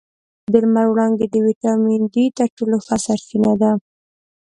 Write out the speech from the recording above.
د لمر وړانګې د ویټامین ډي تر ټولو ښه سرچینه ده